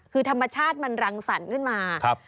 คือธรรมชาติมันรังสรรค์ขึ้นมา